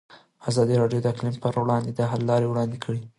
ازادي راډیو د اقلیم پر وړاندې د حل لارې وړاندې کړي.